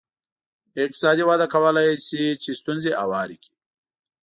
اقتصادي وده کولای شي چې ستونزې هوارې کړي.